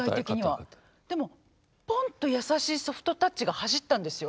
でもポンと優しいソフトタッチが走ったんですよ。